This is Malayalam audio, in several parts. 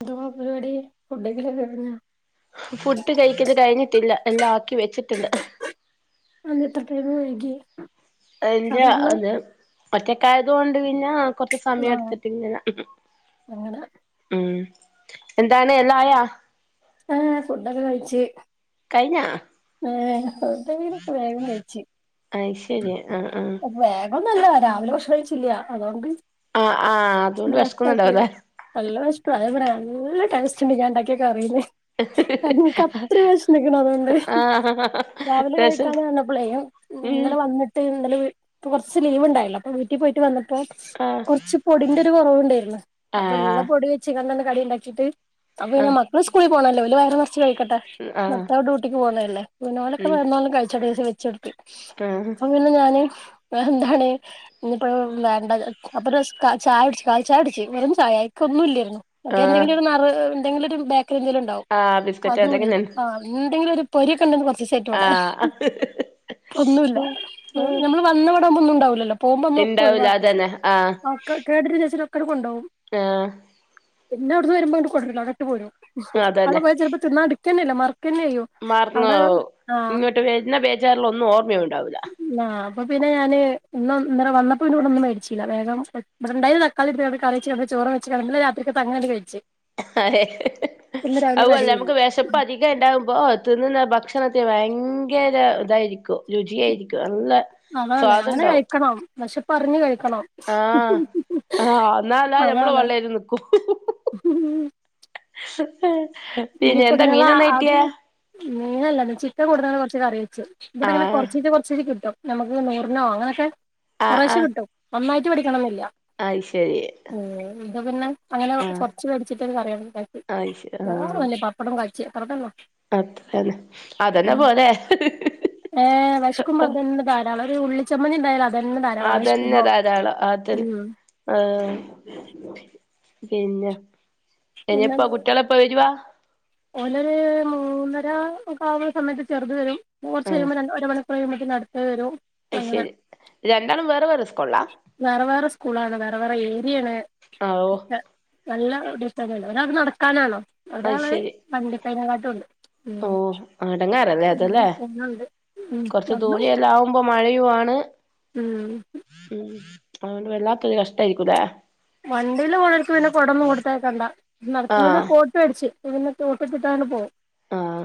എന്തുവാ പരിപാടി ഫുഡൊക്കെ. [unintelligible] ഫുഡ് കഴിക്കല് കഴിഞ്ഞിട്ടില്ല എല്ലാം ആക്കി വെച്ചിട്ടുണ്ട്.. [unintelligible] എന്റെ സാധാരണ അത് ഒറ്റക്കായതൊണ്ട് പിന്നെ.. കുറച്ച് സമയം ആഹ് എടുത്തിട്ട് ഇങ്ങനെ.. അങ്ങനെ ഉം എന്താണ് എല്ലാം ആയ.. ആഹ് ഫുഡൊക്കെ കഴിച്ച്.. കഴിഞ്ഞാ.. ഏഹ് [unintelligible] വേഗം കഴിച്ച്.. അത് ശരി ആഹ് ആഹ്. അതൊന്നുല്ല രാവിലെ ഭക്ഷണം കഴിച്ചില്ല അതൊണ്ട് ആഹ് ആഹ് അതുകൊണ്ട് നേരത്തെ ആക്കി.. വെശക്കുന്നുണ്ടാവുല്ലേ നല്ല വിശപ്പ് അതാ പറഞ്ഞ നല്ല ടെസ്റ്റ്ണ്ട് ഞാൻ ഉണ്ടാക്കിയ കറിയില്.. അത് നിങ്ങക്ക് അത്രയും വിശന്ന് നിക്കണ അതുകൊണ്ട് ആഹ് രാവിലെ രസം കഴിക്കാതെ വന്നപ്പളെ.. ഉം ഇന്നലെ വന്നിട്ട് ഇന്നലെ ഇപ്പ കുറച്ച് ലീവ് ഉണ്ടായല്ലോ അപ്പൊ വീട്ടിൽ പോയിട്ട് വന്ന പ്പൊ ആഹ് കുറച്ച് പൊടിന്റെ ഒരു കുറവുണ്ടായിരുന്നു അപ്പൊ ഉള്ള ആഹ് പൊടി.. [unintelligible] കടി ഉണ്ടാക്കിട്ട് അപ്പൊ പിന്നെ ആഹ് മക്കള് സ്ക്കൂളിൽ പോണല്ലെ അവര് വയറ് നിറച്ച് കഴിക്കട്ടെ.. ആഹ് ഭർത്താവ് ഡ്യൂട്ടിക്ക് പോന്നല്ലേ അപ്പൊ ഓലെക്കെ ഉം [unintelligible] വെച്ച് കൊടുത്ത്.. ആഹ് അപ്പ പിന്നെ ഞാന് എന്താണ്.. ഇന്നിപ്പോഴന്നും വേണ്ട അപ്പം ചായ കുടിച്ച് കാൽ ചായ കുടിച്ച് വെറും ചായ [unintelligible] ഒന്നും ഇല്ലായിരുന്നു.. മറ്റെ ആഹ് എന്തെങ്കിലും ഒരു [unintelligible] എന്തെങ്കിലും ഒരു ബേക്കറി എന്തെങ്കിലും ഉണ്ടാവും ആഹ് ബിസ്ക്കറ്റ് അതും [unintelligible] അതെങ്ങനെയാണ് ആഹ്.. എന്തെങ്കിലും ഒരു പൊരിയൊക്കെണ്ടന്ന് കുറച്ച് ദിവസായിട്ട് ഇവിടെ ആഹ് ഇപ്പം ഒന്നും ഇല്ല.. നമ്മൾ വന്ന ഇവിടെ ഒന്നും ഉണ്ടാവില്ലല്ലോ പോകുമ്പോൾ നമ്മൾ ഒക്കെ ഉണ്ടാവൂല ഒഴിവാക്കും അതന്നെ ആഹ് [unintelligible] [unintelligible] കൊണ്ട് പോകും.. ആഹ്.. പിന്നെ അവിടുന്ന് വരുമ്പോ ഇങ്ങട് കൊണ്ട് വരൂല അവിടെ ഇട്ട് പോരും. അവിടെ അതന്നെ പോയാ ചെലപ്പോ തിന്നാണ്ട് ഇട്ക്കെന്നെല്ല്യ മറക്കെന്നെയ്യും. മറന്നോവും ഇങ്ങട്ട് വരുന്ന ബേജാറില് ഒന്നും ഓർമ്മയുണ്ടാവില്ല. ആഹ് അപ്പ പിന്നെ ഞാന് ഇന്ന ഇന്നലെ വന്നപ്പോ പിന്നെ ഇവിടെന്നൊന്നും മേടിച്ചില്ല. വേഗം ഇവിടെ ഇണ്ടായിന്ന തക്കാളിട്ട്കാണ്ട് കറി വെച്ചികാണ്ട് ചോറും വെച്ചികാണ്ട് ഇന്നലെ രാത്രികാത്തത് അങ്ങനെ ആണ്ട് കയ്ച്ച്.. [unintelligible] അതും അല്ലാ കടിയില്ല നമുക്ക് വെശപ്പ് പ്പ് അധികം ഇണ്ടാകുമ്പോ തിന്നുന്ന ഭക്ഷണത്തിന് ഭയങ്കര ഇതായിരിക്കും രുചിയായിരിക്കും നല്ല അതാണ് അങ്ങനെ സ്വാദുണ്ടാവും കഴിക്കണം വെശപ്പറിഞ് കഴിക്കണം. ആഹ ആഹ് എന്നാല്ലാ ഞമ്മള് അതാണ് ഓൺലൈന്ല് നിക്കും. [unintelligible] ഇഞ്ഞിപ്പ എന്താ ങ്ങള മീനെന്നാ അത് കിട്ടിയേ മീനല്ല ഇന്ന് ചിക്കൻ കൊണ്ടുന്നത് കൊറച്ച് കറി വെച്ച്. ഇവിടെങ്ങനെ ആഹ് കൊറച്ചിച്ചെ കൊറച്ചിച്ചെ കിട്ടും. നമുക്ക് നൂറിനോ അങ്ങനെയൊക്കെ ആഹ് കൊറേശെ ആഹ് കിട്ടും. ഒന്നായിട്ട് മെടിക്കണംന്നില്ല. അത് ശരി ഉം ഇന്ന് പിന്നെ അങ്ങനെ ആഹ് കൊറച്ച് വേടിച്ചിട്ട് ഒരു കറി വെക്കാന്ന് കരുതി. അത് ശരി വേറെന്നും ഇല്ലെ? പപ്പടം കാച്ചി അത്ര തന്നെ. അത്ര തന്നെ അതന്നെ പോരെ. ഏഹ് വെശ്ക്കുമ്പോ അത് തന്നെ ധാരാളം. ഒരു ഉള്ളിച്ചമ്മന്തി ഇണ്ടായാലത് ആഹ് അതന്നെ ധരാളം. അത് ഉം ആഹ് പിന്നെ ഇനിയിപ്പം കുട്ടികളെപ്പ വരുവാ? ഓനൊര് മൂന്നര ഒക്കെ ആകുന്ന സമയത്ത് ചെറുത് വരും. കൊർച്ച്‌ ആഹ് കഴിയുമ്പ രണ്ട് ഒരു അര മണി അത് കഴിയുമ്പോത്തിന് അടുത്തത് വരും. അങ്ങനെ അയ്ശെരി. രണ്ടാളും വേറെ വേറെ സ്ക്കൂൾള്ളാ? വേറെ വേറെ സ്കൂളാണ് വേറെ വേറെ ഏരിയെണ്. ആഹ് ഓഹ് നല്ല ഡിസ്റ്റൻസ്ണ്ട്. ഒരാക്ക് നടക്കാനാണം അത് ഒരാള് [unintelligible] ണ്ട്. ഓഹ് എടങങ്ങേറല്ലേ അതല്ലേ പോണുണ്ട് ഉം കൊറച്ച് വന്നു ദൂരെ എല്ല ആവും മ്പം മഴയു ആണ്. ഉം ഉം അതോണ്ട് വല്ലാത്തൊരു കഷ്ടായിരിക്കുല്ലേ. വണ്ടിയില് പോണോർക്ക് പിന്നെ കൊടെന്നും കൊടുത്തയക്കണ്ട. നടക്കുന്നത് ആഹ് കോ ട്ട് വേടിച്ച്. അപ്പപിന്നെ കോട്ടൊക്കെ ഇട്ടാണ് പോ ആഹ്.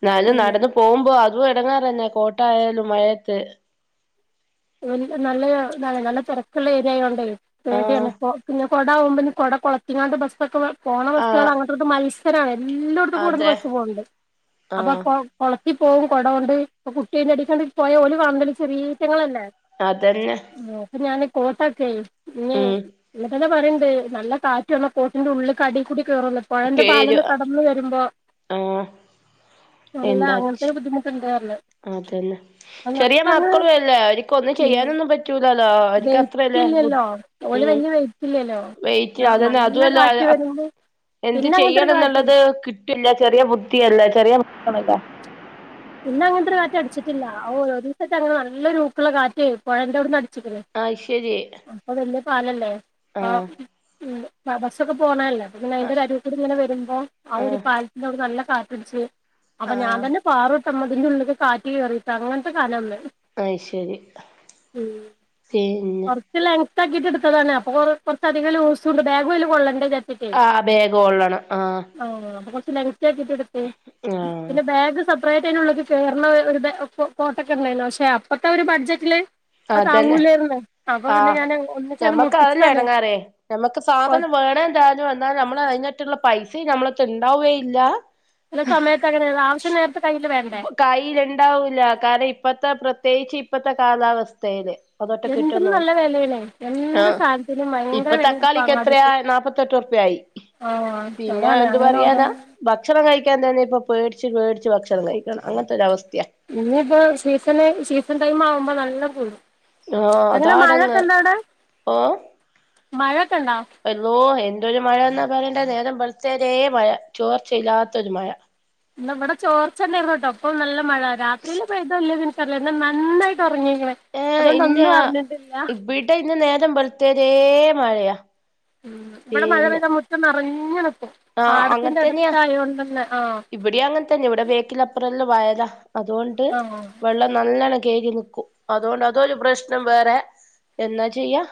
ന്നാലും നടന്ന് പോകുമ്പോ അതും എടങ്ങേറന്നെ കോട്ടായാലും മഴയത്ത്. നല്ല നല്ല ഇതാണെ. നല്ല തെരക്കുള്ള ഏരിയയോണ്ടേ ആഹ് പേട്യാണ്. പ്പൊ പിന്നെ കൊടാവുമ്പം ഇനി കൊട കൊളത്തിങ്ങാണ്ട് ബസൊക്കെ പോണ ബസ്സുകൾ ആഹ് അങ്ങട്ടും ഇങ്ങട്ടും മൽസ സരാണ്. എല്ലോട്ത്ക്കും ഇവട്ന്ന് അതെ ബസ് പോവ്ണ്ട്. അപ്പൊ ആഹ് പ്പം കൊളത്തി പോവും കൊട കൊണ്ട്. അപ്പ കുട്ടി അയ്ന്റെ അടീക്കാണ്ട് പോയ ഓല് കാണൂലല്ലോ ചെറീറ്റങ്ങളല്ലേ. അതന്നെ ആഹ്, എന്നിട്ട് ഞാന് കോട്ടാക്കേ ഇനി ഉം എന്നിട്ടന്നെ പറയ്ണ്ട് നല്ല കാറ്റ് വന്ന കോട്ടിന്റെ ഉള്ള്ക്ക് അടി കൂടി കേറൂന്ന്. പൊഴേന്റെ പേര് പാലന്ന് കടന്ന് വരുമ്പോ ആഹ് അല്ല എന്താ അങ്ങനത്തൊര് ബുദ്ധിമുട്ട്ണ്ട്ന്ന് പർഞ്. അതന്നെ. ചെറിയ മക്കളും അല്ലേ അവര്ക്ക് ഒന്നും ചെയ്യാനൊന്നും പറ്റൂല ല്ലോ. അവര്ക്ക് അത്രല്ലേ ബു വെയിറ്റില്ലല്ലോ ഓല് ഉം വല്യ വെയിറ്റില്ലല്ലോ വെയ്റ്റ് അതന്നെ നല്ല അതുവല്ല കാറ്റ് അ വരുമ്പോ എന്ത് പിന്നെ അങ്ങനത്തെ ഒരു കാറ്റില്ല ചെയ്യണന്നുള്ളത് കിട്ടില്ല ചെറിയ ബുദ്ധിയല്ലെ ചെറിയ മക്കളല്ലെ. പിന്ന അങ്ങൻത്തൊര് കാറ്റ് അടിച്ചിട്ടില്ല. ഓഹ് ഒരീസത്തെ അങ്ങനെ നല്ലൊരു ഊക്കുള്ള കാറ്റെ പൊഴൻ്റവ്ടുന്ന് അടിച്ചിക്ക്ണ്. അഹ്ശരി അപ്പൊ വലിയ പാലല്ലേ അപ്പം ബസ്സൊക്കെ പോണതല്ലേ അപ്പപിന്നെ ആഹ് അയിൻ്റൊരു അരൂകൂടി ഇങ്ങനെ വരുമ്പം ആ ഒരു ആഹ് പാലത്തിന്റെ അവ്ട്ന്ന് നല്ല കാറ്റടിച്ച് അപ്പം ഞാൻ ആഹ് തന്നെ പാറുട്ടോ ഇമ്മാ ഇതിന്റെ ഉള്ള് ക്ക് കാറ്റ് കേറീട്ട്. അങ്ങൻത്തെ കന ള്ളത് അയ് ശരി പിന്നെ ച്ച് ലെങ്ത് ആക്കിയിട്ട് ഇടുത്തതാണെ. അപ്പം കൊർ കൊർച്ചധികം ലൂസൂണ്ട്. ബാഗും അയ്ല് കൊള്ളണ്ടേ വിചാ ആഹ് ബേഗ് കൊള്ളണം ആഹ് ആഹ് അപ്പൊ കൊറച്ച് ലെങ്താക്കിട്ട് ഇട്ത്ത്. ആഹ് പിന്നെ ബാഗ് സുഖായിട്ടയ്ൻ്റെ ഉള്ള് ക്ക് കേർണെ ഒരു ബേ കൊ കോട്ടക്കണ്ടായ്നി. പക്ഷെ അപ്പത്തെ ആ ഒരു ബഡ്ജറ്റില് ന് അതന്നെ താങ്ങൂലേര്ന്ന്. അപ്പം പിന്നെ ആഹ് ഞാന് ഒന്നിച്ചാണ്ട് മുട്ടിച്ചതാണ് നമ്മക്ക് സാധനം വേണേ ന്താനും എന്നാ നമ്മൾ അയ്‌നെറ്റള്ള പൈസിം ഞമ്മളെട്ത്ത് ഉണ്ടാവേ ഇല്ല. ചെല സമയത്ത് അങ്ങനെയാണ് ആവശ്യം നേരത്ത് കയ്യിൽ വേണ്ടേ കയ്യിൽ ണ്ടാവൂല്ല കാരണം ഇപ്പത്തെ പ്രത്യേകിച്ച് ഇപ്പത്തെ കാലാവസ്ഥേല് അതൊട്ട് എന്തിനും കിട്ടുന്നൊ നല്ല വിലയാണേ എന്ത് ആഹ് സാധനത്തിനും ഭയങ്കര ഇപ്പൊ വിലയാ തക്കാളിക്ക് എത്രയാ അങ്ങാടിക്ക് നാപ്പ ത്തെട്ടുർപ്യ ആയി. ആഹ് പിന്നെ അതാണ് എന്ത് അങ്ങനെ പറയാനാ ഓരോന്ന് ഭക്ഷണം കഴിക്കാൻ തന്നെ ഇപ്പൊ പേടിച്ച് പേടിച്ച് ഭക്ഷണം കഴിക്കണം അങ്ങനത്തൊരവസ്‌ഥ്യാ. ഇനി ഇപ്പോ സീസണ് സീസൺ ടൈം ആവുമ്പോ നല്ലം കൂടും. ആഹ് എങ്ങനെ മഴൊക്കെ അതാണെടങ്ങേറ് ഉണ്ടൊവ്ടെ? മഴൊക്കെണ്ടോ? എള്ളോ എന്തൊരു മഴന്നാ പറയണ്ടെ നേരം വെൾത്തേരേ മഴ. ചോർച്ചയില്ലാത്തൊരു മഴ ഇന്നാ വടെ ചോർച്ചെന്നേര്ന്നു ട്ടോ. ഇപ്പം നല്ല മഴ. രാത്രിയില് പെയ്തോ ഇല്ലേ ന്ന് ഇൻക്കറീല്ല. ഇന്ന് നന്നായിട്ട് ഉറങ്ങീക്ണ്. അതോണ്ടൊന്നും അർഞ്ഞിട്ടില്ല. ടെ ഇന്ന് നേരം വെൾത്തരെ മഴയാ ഉം ഇവടെ മഴ പിന്നെ പെയ്ത മുറ്റം നെറഞ്ഞു നിക്കും. ആഹ് പാടത്തിന്റെ അടുത്തായോണ്ടന്നെ ആഹ് ഇവടിം അങ്ങൻ തന്നെ. ഇവടെ വേക്കിലപ്പുറ എല്ലാം വയലാ. അതുകൊണ്ട് ആഹ് വെള്ളം നല്ലണം കേരി നിക്കും. അതുകൊണ്ട് അതൊരു പ്രശ്നം വേറെ എന്നാ ചെയ്യാ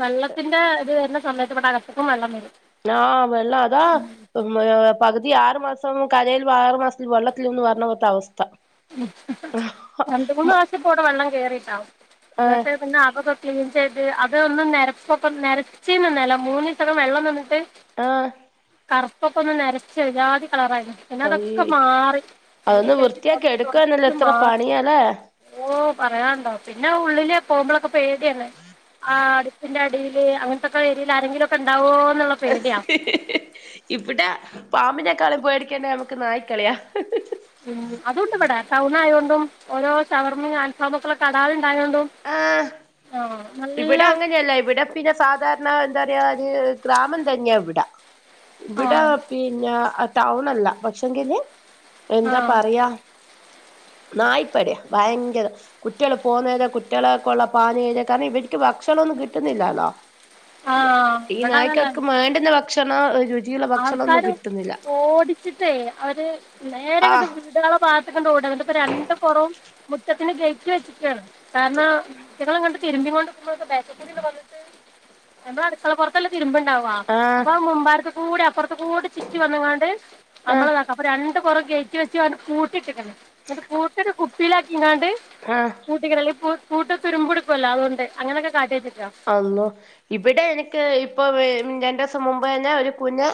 വെള്ളത്തിന്റെ ഇത് വര്ന സമയത്ത് ഇവടെ അകത്തുക്കും വെള്ളം വരും. ആഹ് വെള്ളം അതാ ഉം പകുതി ആറു മാസം കരയിലും ആറു മാസത്തി വെള്ളത്തിലുംന്നും പർണ പോൽത്ത അവസ്ഥ. രണ്ട മൂന്ന് പ്രാവശ്യപ്പോടെ വെള്ളം കേയറിട്ടാവും ആഹ് എന്നിട്ട് പിന്നെ അപക ചെയത് അതൊന്നും നരപ്പൊക്ക നരച്ച ഇന്നല്ല മൂന്ന് ദിവസൊക്കെ വെള്ളം നിന്നിട്ട് ആഹ് കറുപ്പൊക്കെ ഒന്ന് നരച്ച് ഒരു ജാതി കളറായിരുന്നു പിന്നെ അതൊക്കെ മാറി കഴികി അതൊന്ന് കഴികി വൃത്തിയാക്കി തുടച്ച് എടുക്കാന്നല്ല തുടച്ച് എത്ര മാറി പണിയാല്ലേ ഓഹ് പറയാനണ്ടോ പിന്നെ ഉള്ളില് പോകുമ്പോളൊക്കെ പേടിയല്ലേ ആഹ് അടുപ്പിന്റെ അടിയിയില് അങ്ങനത്തെക്കെ ഏരിയിൽ ആരെങ്കിലൊക്കെ ഉണ്ടാവോ എന്നുള്ള പേടിയാ ഇവിടെ പാമ്പിനേക്കാളും പേടിക്കേണ്ടാ നമുക്ക് നായിക്കളിയാ ഉം അതൊണ്ട് ഇവിടെ ടൗണ ആയൊണ്ടും ഓരോ ശവർമ്മ അൽഫാമുള്ള കടാൾ ഉണ്ടായോണ്ടും ആഹ് ഇവിടെ അങ്ങനെയല്ല ഇവിടെ പിന്നെ സാധാരണ എന്താ പറയാ ഒരു ഗ്രാമം തന്നെയ ഇവിടെ ആ ഇവിടെ പിന്നെ ടൗൺല്ല പക്ഷെങ്കില് ആ എന്താ പറയാ നായ്പട ഭയങ്കരം കുട്ടികൾ പോവുന്നത റ്റള കൊള്ള പാഞയഞ്ഞ കാരണം ഇവർക്ക് ഭക്ഷണൊന്നും കിട്ടുന്നില്ലല്ലോ ആ ഈ ഇവിടെ അതല്ല നായ്ക്കൾക്ക് വേണ്ടുന്ന ഭക്ഷണ ആൾക്കാര് ഓടിച്ചിട്ടേ അവര് നേരെങ്ങ ആഹ് വീടുകളൊ ഓടണ് രണ്ട് പുറവും മുറ്റത്തിന് ഗേറ്റ് വെച്ചിക്കാണ് കാരണം ഇറ്റങ്ങൾ തിരുമ്പികോണ്ട് നിക്കുമ്പം ബാക്ക് കൂടണ്ടി വന്ന്ട്ട് നമ്മളെ അടുക്കള പൊറത്തല്ലെ തിരുമ്പ് [unintelligible] ആഹ് അപ്പൊ മുമ്പാട്ത്ത് കൂടി അപ്പർത്ത് കൂടെ ചുറ്റി വന്ന്ക്കാണ്ട് നമ്മള് ആഹ് താക്ക അപ്പ ര കൊറേ കേറ്റി വെച്ച്ക്കാണ്ട് പൂട്ടിട്ടക്കാണ് ഇന്നട്ട് [unintelligible] കുപ്പിയിലാക്കിങ്ങാണ്ട് ആഹ് [unintelligible] പൂ പൂട്ട് തുരുമ്പുടുക്കുല്ലോ അതുകൊണ്ട് അങ്ങനെയക്കെ കാട്ടിട്ടക്ക. അള്ളോ ഇവടെ എനിക്ക് ഇപ്പൊ [unintelligible] രണ്ടീസം മുമ്പ് തന്നെ ഒരു കുഞ്ഞ്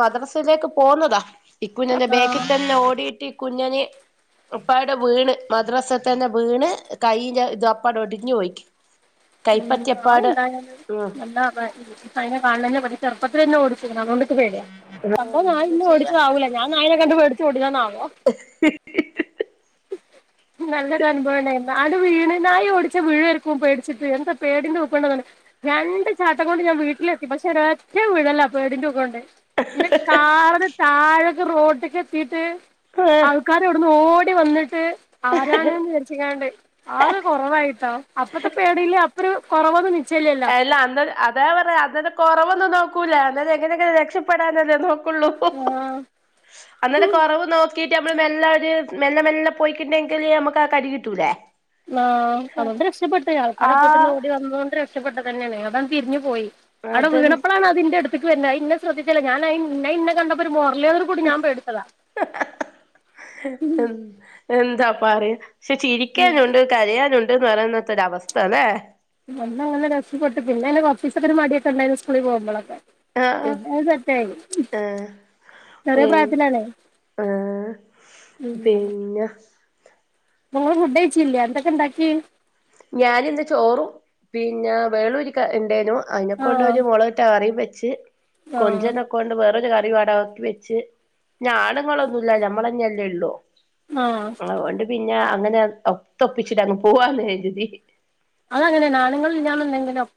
മദ്രസയിലേക്ക് പോന്നതാ ഈ കുഞ്ഞന്റെ ബേക്കി ആ തന്നെ ഓടിയിട്ട് കുഞ്ഞന് അപ്പാടെ വീണ് മദ്രസ തന്നെ വീണ് കൈയ്യിന്റെ ഇത് അപ്പാടെ ഒടിഞ്ഞ് പോയിക്ക്. [unintelligible] [unintelligible] ഉം അതുകൊണ്ട് ഇച്ച് പേടിയാ ആഹ് അപ്പോ ഞാൻ എന്തെന്ന് ഇന്നെ ചെയ്യാ ഓടിച്ചതാവുല ഞാൻ നായിനെ കണ്ട് പേടിച്ച് ഓടിയതന്നാവോ. നല്ലൊരു അനുഭവണ്ടായിരുന്നു ആണ്ട് വീണ് നായി ഓടിച്ച [unintelligible] പേടിച്ചിട്ട് എന്താ പേടിന്റെ ഊക്കോണ്ടന്നറീല. രണ്ട് ചാട്ടം കൊണ്ട് ഞാൻ വീട്ടിലെത്തി പക്ഷെ ഒരെറ്റ വീഴല പേടിന്റെ ഊക്കോണ്ട്. ഇന്റെ കാറിന് താഴക്കെ റോട്ട്ക്കത്തിട്ട് ആഹ് ആൾക്കാര് ഇവട്ന്ന് ഓ വന്ന്ട്ട് ആരാണ്ന്ന് കര് ക്കാണ്ട് ആള് കൊറവായിട്ട അപ്പത്തെ പേടില്ല അപ്പരു കൊറവൊന്നും നിച്ചല്ലല്ലോ. അല്ല അന്നൊരു അതാ പറയാ അതല്ലെ കൊറവൊന്നും നോക്കൂല അല്ലാതെ എങ്ങനെക്കെ രക്ഷപ്പെടാനല്ലേ നോ ക്കൊള്ളു ആ അന്നേരം കൊറവ് നോ ക്കീട്ട് നമ്മള് മെല്ല ഒര് മെല്ല മെല്ല പോയിട്ടിണ്ടെങ്കില് നമ്മക്ക് ആ കടി കിട്ടൂലേ. ആ അതോണ്ട് രക്ഷപ്പെട്ട് ആൾക്കാര അപ്പോത്തിനും ആഹ് ഓടി വന്നോണ്ട് രക്ഷപ്പെട്ടത് തന്നെയാണ് അതാണ്ട് തിരിഞ്ഞു പോയി. അവടെ അതന്നെ വീണപ്പളാണ് അതിന്റെ എട്ത്ത്ക്ക് വര്നേ അഹ് ഇന്നെ ശ്രദ്ധിച്ചല്ല ഞാനഹ് ഇന്നെ അഹ് ഇന്നെ കണ്ടപ്പോ ഒരു മോർല് കൂടി ഞാൻ പേടിച്ചതാ ഉം എന്താ പറയാ പക്ഷെ ചിരിക്കാനുണ്ട് കരയാനുണ്ട്ന്ന് പറയുന്നത്തൊര അവസ്ഥല്ലേ. അന്ന് അങ്ങനെ രക്ഷപ്പെട്ട് പിന്നെ [unintelligible] കൊർച്ചീസക്കെ മടിക്കെണ്ടായിരുന്നു സ്കൂളിൽ പോകുമ്പളൊക്കെ. ആഹ് പിന്നെ അത് സെറ്റായി ആഹ് ചെറിയ ഏഹ് പ്രായത്തിലാണേ ആഹ് ഉം പിന്നെ നിങ്ങൾ ഫുഡ് കഴിച്ചില്ല എന്തൊക്കെ ഇണ്ടാക്കി? ഞാനിന്ന് ചോറും പിന്നെ വേളൂരിക്ക ഇണ്ടേനു. അതിനെ ആഹ് കൊണ്ടരു മൊളക്ട്ട കറിം വെച്ച് ആഹ് കൊഞ്ചത ക്കൊണ്ട് വേറൊരു കറിവാട ഒക്കി വെച്ച് ഞ ആണുങ്ങളൊന്നു ഇല്ലല്ലോ ഞമ്മളന്നെല്ലേ ഉള്ളൂ. ആഹ് അതൊണ്ട് പിന്നെ അങ്ങനെ ഒത്ത ഒപ്പിച്ചിടാന്ന് പോവാന്ന് കര്തി. അദങ്ങനേണ് ആണ്ങ്ങള് ഇല്ലാന്ന് ഇണ്ടെങ്കില് അ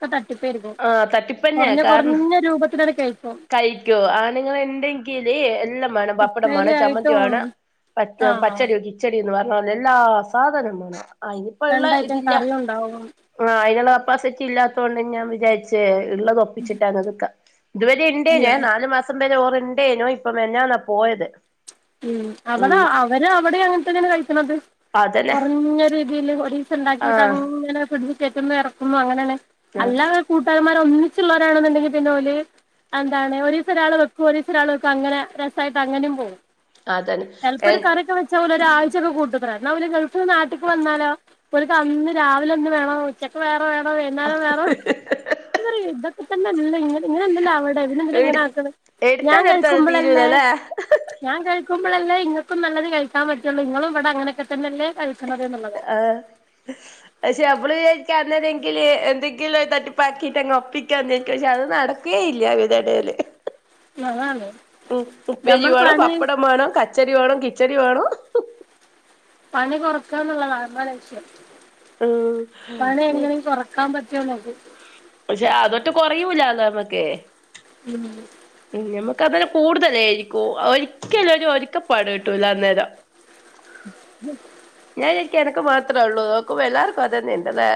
ആ തട്ടിപ്പന്നേ കാരണം കുറഞ്ഞ രൂപത്തിലത് കഴിക്കും കഴിക്കോ ആണ്ങ്ങളെന്തെ ക്കീല് എല്ലാം മാണം പപ്പടം ഉപ്പേരി മാണം ആയിട്ടും ചമ്മന്തിവാണം പ ആഹ് പച്ചടിയോ കി ചെടിന്ന് പറഞ്ഞോലേ എല്ലാ സാധനുംമാണം അയ്നിപ്പ്ള്ള രണ്ടയിറ്റം ഇതില്ല. കറിയും ഉണ്ടാവും ആ അയ്നുള്ള കപ്പാസിറ്റി ഇല്ലാത്തോണ്ട് ഞാ വിചാരിച്ചേ ഇള്ളതോപ്പിച്ചിട്ടാണ് ഒത്ക്ക. ഇതുവരെ അല്ല ഇണ്ടേനേ നാല് മാസം വരെ ഓർ ഇണ്ടേനു ഇപ്പം മിനിഞ്ഞാന്ന പോയത്. ഉം അവടെ ഉം അവര് അവിടിം അങ്ങൻതന്നെണ് കഴിക്ക്ണത് അതന്നെ കൊറഞ്ഞ രീതിയില് ഒരീ സണ്ടാകീട്ട് ആഹ് അങ്ങനെ ഫിഡ്ജി കേറ്റുന്നു എർക്കുന്നു അങ്ങനെന്നേ ആഹ് അല്ല കൂട്ടാമാരോന്നിച്ചുള്ളോരാണെന്ന്ണ്ങ്കി പിന്നെ ഓല് എന്താണ് ഒരീസൊരാള് വെക്കും ഒരീസൊരാൾ വെക്കും അങ്ങനെ രസായിട്ട് അങ്ങനിം പോകും. അതന്നെ ചെൽപ്പോ എ ഒരു കറിയക്കെ വെച്ചാ ഓലോരാഴ്ച്ചക്കെ കൂട്ട്ത്രേ ഇന്നാ പിന്നെ ഓല് ഗൾഫിന്ന് നാട്ട്ക്ക് വന്നാലോ. ഒൽക്കന്ന് രാവിലെ ഒന്ന് വേണം ഉച്ചക്ക് വേറെ വേണം വൈന്നേരം വേറെ വേണം ഞാനറിം ഇതൊക്കെ തല്ലെ ഇങ്ങട്ട് ഇങ്ങനെല്ലല്ലോ അവിടെ പിന്നെന്തിനാ എടു ഇങ്ങനാക്ക്ണ് എടുത്താൽ എടുത്താൽ ഞാകഴിക്കുമ്പളല്ലേ തീരൂലല്ലേ ഞാൻ കയ് കുമ്പോളല്ലേ ഇങ്ങക്കും നല്ലത് കഴിക്കാപറ്റ് ഒള്ളൂ ഇങ്ങളും ഇവടെ അങ്ങനോക്കേ തന്നെല്ലേ കഴിക്ക്ണന്നത് എന്ന്ള്ളതാണ് ആഹ്‌ പക്ഷേ അമ്മള് വിജാരിക്കും അന്നല്ലെങ്കില് എന്തെങ്കിലൊക്കെ തട്ടിപ്പാക്കിട്ട് അ ഒപ്പിക്കാന്ന് വിജാരിക്കും പക്ഷെ അത് നട കേല്ല്യ ഇവരടേല് അതാണ് ഉ നമ്മൾ ഉപ്പേരിവേണം പണി പപ്പടം മാണം ക പച്ചടിവാണം കിച്ചടിവാണം പണി കൊറക്കാന്ന്ള്ളതാണ് അതാണ് വിഷയം ഉം പണി എങ്ങനേങ്കിലും കൊറ് ക്കാപറ്റോന്നോക്കും പക്ഷേ അതട്ടും കൊറയൂല്ല നമ്മക്ക് ഉം ഉം ഞമ്മക്ക് അത് കൂടുതലായിരിക്കും ഒരിക്കലും ഒരു ഒരിക്കപ്പാട് കിട്ടൂലന്നേരം [unintelligible] ഞാൻ വിചാരിക്കും എനക്ക് മാത്രേള്ളൂന്ന് നോക്കുമ്പല്ലാർക്കും അതന്നെണ്ല്ലേ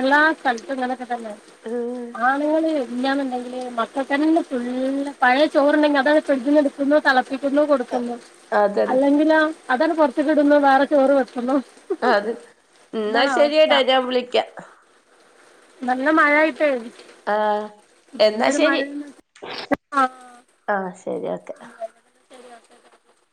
എല്ലാ സ്ഥലത്തുങ്ങനൊക്കെത്തന്നെ ഉം ആണ്ങ്ങള് ഇല്ല്യന്നുണ്ടെങ്കില് മക്കക്കന്നെ ഫുള്ള് പഴയ ചോറുണ്ടെങ്കി അതങ്ങട്ട് ഫ്രിഡ്ജ്ന്ന് ഡ്ക്കുന്നു തൾപ്പി വെക്കുന്നു കൊടുക്കുന്നു അതന്നെ അല്ലെങ്കിലോ അതാണ്ട് പൊറത്ത് കിടുന്നു വേറെ ചോറ് വെക്കുന്നു. അത് ഇതാണ് ന്നാശരിയടാ അവസ്ഥ ഞാൻ വിളിക്യ. നല്ല മഴ ആയിട്ടേ ആഹ് എന്തൊരു മയേണ് ആഹ് ആഹ്‌ ശരി ഓക്കെ [unintelligible]